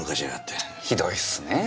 ひどいっすねぇ。